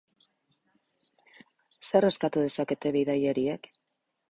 Zer eskatu dezakete bidaiariek?